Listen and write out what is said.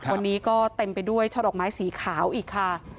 วันนี้ก็เต็มไปด้วยช่อดอกไม้สีขาวอีกค่ะ